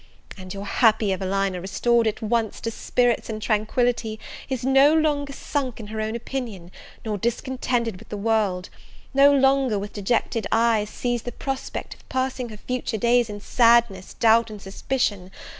and your happy Evelina, restored at once to spirits and tranquillity, is no longer sunk in her own opinion, nor discontented with the world; no longer, with dejected eyes, sees the prospect of passing her future days in sadness, doubt, and suspicion!